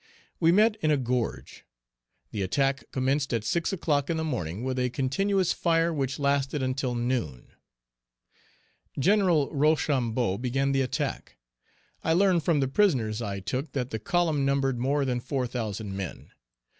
We met in a gorge. The attack commenced at six o'clock in the morning with a continuous fire which lasted until noon. Gen. Rochambeau began the attack. I learned from the prisoners I took that the column numbered more than 4,000 men.